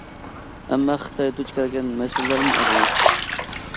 ئەمما خىتاي دۇچ كەلگەن مەسىلىلەرمۇ ئاز ئەمەس.